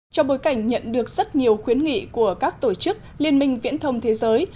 trong bối cảnh nhận được rất nhiều khuyến nghị của các tổ chức liên minh viễn thông thế giới